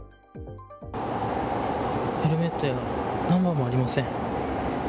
ヘルメットもナンバーもありません。